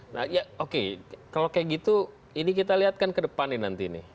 nah ya oke kalau kayak gitu ini kita lihatkan ke depan nih nanti nih